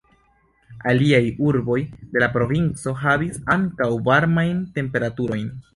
Aliaj urboj de la provinco, havis ankaŭ varmajn temperaturojn.